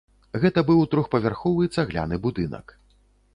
Гэта быў трохпавярховы цагляны будынак.